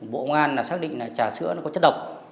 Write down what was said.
bộ ngàn xác định trà sữa có chất độc